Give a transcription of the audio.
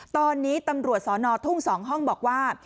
ตอนนี้ตำรวจสอนอทุ่ง๒ห้องบอกว่า